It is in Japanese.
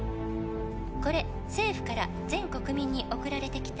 「これ政府から全国民に送られてきた」